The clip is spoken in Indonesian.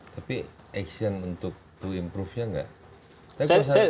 tapi action untuk improve nya nggak